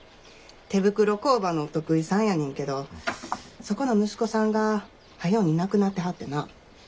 手袋工場のお得意さんやねんけどそこの息子さんがはように亡くなってはってな。